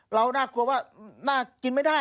น่ากลัวว่าน่ากินไม่ได้